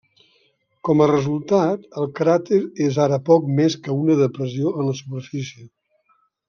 Com a resultat, el cràter és ara poc més que una depressió en la superfície.